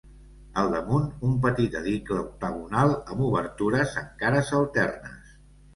Al damunt, un petit edicle octagonal amb obertures en cares alternes.